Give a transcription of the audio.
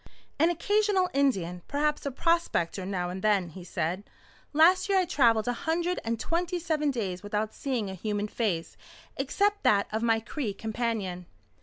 "An occasional Indian, perhaps a prospector now and then," he said. "Last year I travelled a hundred and twenty seven days without seeing a human face except that of my Cree companion."